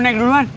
lu naik duluan